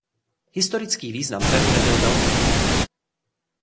Historický význam hradu nebyl velký.